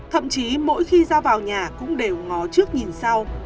thậm chí mỗi khi ra vào nhà cũng đều ngó trước nhìn sau